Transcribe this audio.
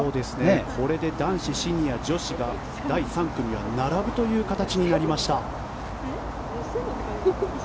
これで男子、シニア、女子が第３組は並ぶという形になりました。